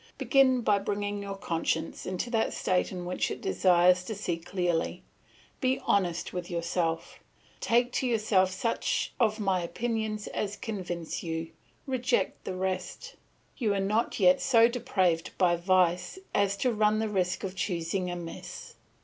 Begin by bringing your conscience into that state in which it desires to see clearly; be honest with yourself. Take to yourself such of my opinions as convince you, reject the rest. You are not yet so depraved by vice as to run the risk of choosing amiss.